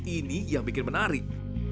ini yang bikin menarik